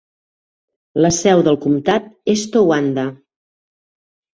La seu del comtat és Towanda.